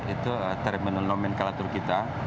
itu terminal nomenklatur kita